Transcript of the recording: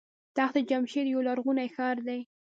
تخت جمشید یو لرغونی ښار دی.